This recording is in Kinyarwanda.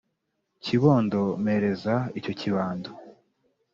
Kibondo mpereza icyo kibando